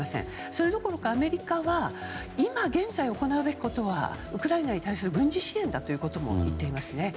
それどころかアメリカは今現在行うべきことはウクライナに対する軍事支援だとも言っていますね。